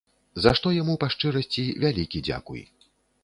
За што яму, па шчырасці, вялікі дзякуй.